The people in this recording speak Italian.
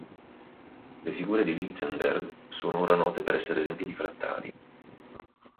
Le figure di Lichtenberg sono ora note per essere esempi di frattali.